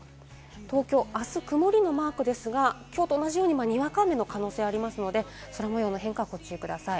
東京、あす曇りのマークですが、きょうと同じように、にわか雨の可能性がありますので空模様の変化ご注意ください。